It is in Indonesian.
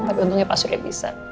tapi untungnya pak surya bisa